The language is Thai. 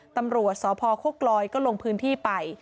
ตำรวจสพโคกลอยก็ลงพื้นที่ไป